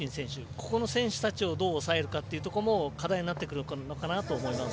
ここの選手たちをどう抑えるかというところも課題になってくるかなと思います。